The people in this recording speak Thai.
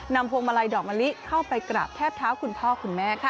พวงมาลัยดอกมะลิเข้าไปกราบแทบเท้าคุณพ่อคุณแม่ค่ะ